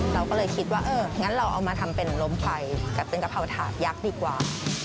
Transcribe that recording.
เราก็เลยคิดว่าเอองั้นเราเอามาทำเป็นลมไฟกับเป็นกะเพราถาดยักษ์ดีกว่า